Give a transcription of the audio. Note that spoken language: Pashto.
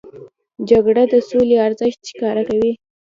جګړه د سولې ارزښت ښکاره کوي